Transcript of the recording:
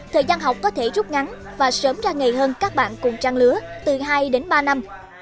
thời gian học có thể rút ngắn và sớm ra ngày hơn các bạn cùng trang lứa từ hai đến ba năm